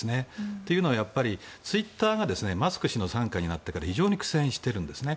というのはツイッターがマスク氏の傘下に入ってから非常に苦戦しているんですね。